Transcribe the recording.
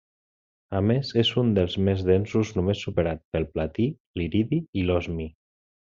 A més, és un dels més densos, només superat pel platí, l'iridi i l'osmi.